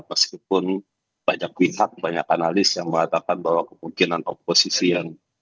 meskipun banyak pihak banyak analis yang mengatakan bahwa kemungkinan oposisi yang